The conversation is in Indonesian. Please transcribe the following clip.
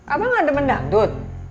apa gak demen dapdud